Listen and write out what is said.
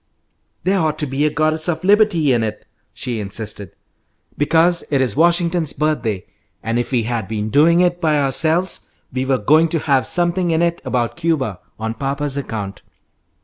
"There ought to be a Goddess of Liberty in it," she insisted, "because it is Washington's birthday; and if we had been doing it by ourselves we were going to have something in it about Cuba, on papa's account."